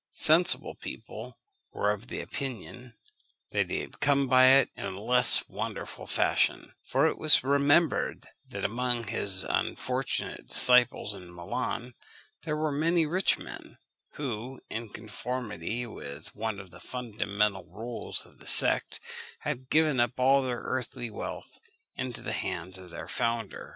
Sensible people were of opinion that he had come by it in a less wonderful manner; for it was remembered that among his unfortunate disciples in Milan, there were many rich men, who, in conformity with one of the fundamental rules of the sect, had given up all their earthly wealth into the hands of their founder.